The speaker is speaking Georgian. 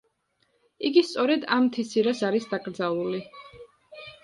იგი სწორედ ამ მთის ძირას არის დაკრძალული.